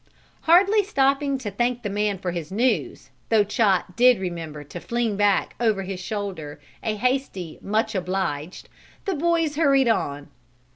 Hardly stopping to thank the man for his news, though Chot did remember to fling back, over his shoulder, a hasty "much obliged," the boys hurried on.